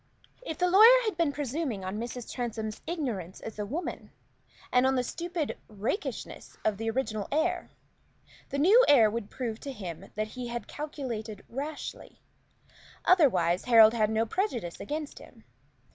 If the lawyer had been presuming on Mrs. Transome's ignorance as a woman, and on the stupid rakishness of the original heir, the new heir would prove to him that he had calculated rashly. Otherwise, Harold had no prejudice against him.